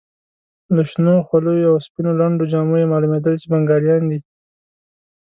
له شنو خولیو او سپینو لنډو جامو یې معلومېدل چې بنګالیان دي.